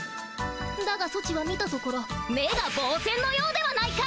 だがソチは見たところ目がぼう線のようではないか！